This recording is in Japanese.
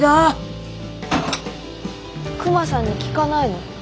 クマさんに聞かないの？